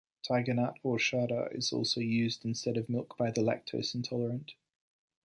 Tigernut horchata is also used instead of milk by the lactose-intolerant.